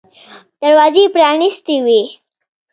دروازې پرانیستې وې.